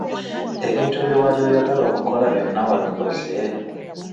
Ebintu bye wali oyagala okukola byonna wabikoze?